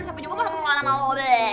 siapa juga mau satu sekolahan sama lo be